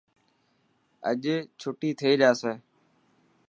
اڄ چوٽي ٿي جاسي.